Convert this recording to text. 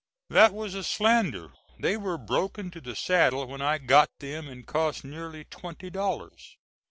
That was a slander; they were broken to the saddle when I got them and cost nearly twenty dollars.